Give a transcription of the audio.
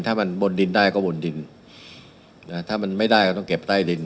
ถ้ามันบนดินได้ก็บนดินนะถ้ามันไม่ได้ก็ต้องเก็บใต้ดิน